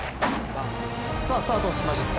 さあスタートしました。